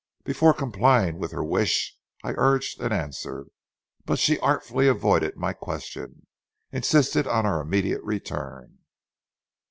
Before complying with her wish, I urged an answer; but she, artfully avoiding my question, insisted on our immediate return.